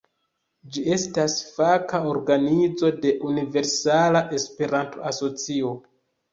Ĝi estas faka organizo de Universala Esperanto-Asocio.